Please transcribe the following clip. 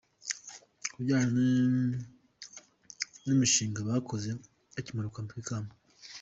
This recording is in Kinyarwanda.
Kubijyanye n’imishinga bakoze bakimara kwambikwa akamba.